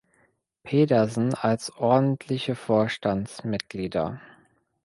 Pedersen als ordentliche Vorstandsmitglieder.